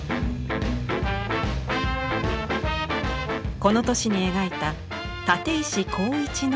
この年に描いた「立石紘一のような」。